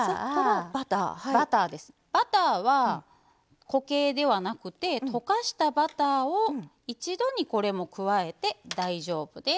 バターは、固形ではなくて溶かしたバターを一度に加えて大丈夫です。